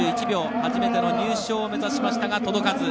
初めての入賞を目指しましたが届かず。